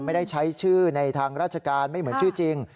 ไม่ได้ใช้ชื่อในทางราชการไม่เหมือนชื่อจริง